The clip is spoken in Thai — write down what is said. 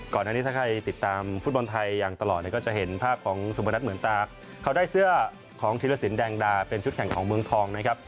ก่อนอันนี้ถ้าใครติดตามฟุตบอลไทยอย่างตลอดเนี่ยก็จะเห็นภาพของสุพนัทเหมือนตาเขาได้เสื้อของธีรสินแดงดาเป็นชุดแข่งของเมืองทองนะครับ